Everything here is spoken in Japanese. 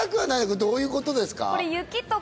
どういうことですか？